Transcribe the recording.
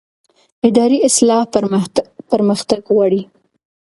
اداري اصلاح پرمختګ غواړي